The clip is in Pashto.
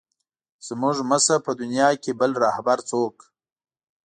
زموږ مه شه په دنیا کې بل رهبر څوک.